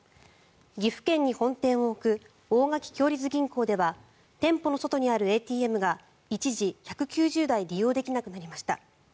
岐阜県に本店を置く大垣共立銀行では店舗の外にあるＡＴＭが一時、１９０台利用できなくなりました。